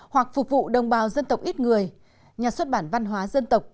hoặc phục vụ đồng bào dân tộc ít người nhà xuất bản văn hóa dân tộc